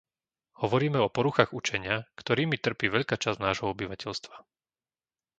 Hovoríme o poruchách učenia, ktorými trpí veľká časť nášho obyvateľstva.